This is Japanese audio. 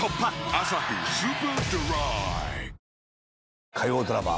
「アサヒスーパードライ」火曜ドラマ